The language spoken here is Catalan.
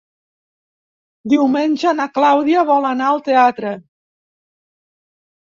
Diumenge na Clàudia vol anar al teatre.